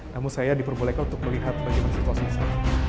namun saya diperbolehkan untuk melihat bagaimana situasi saya